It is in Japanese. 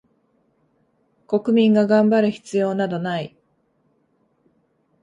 国民が頑張る必要などない